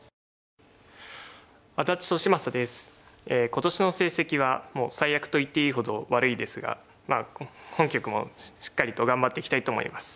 今年の成績はもう最悪といっていいほど悪いですが今局もしっかりと頑張っていきたいと思います。